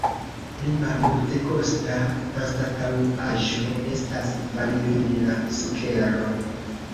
Pli malmultekosta anstataŭaĵo estas vanilina sukero.